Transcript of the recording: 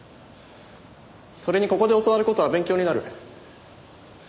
それにここで教わる事は勉強になる。